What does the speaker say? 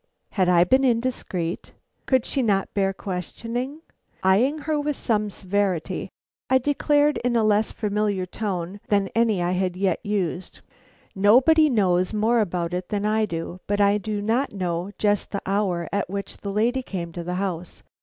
Had I been indiscreet? Could she not bear questioning? Eying her with some severity, I declared in a less familiar tone than any I had yet used: "Nobody knows more about it than I do, but I do not know just the hour at which this lady came to the house.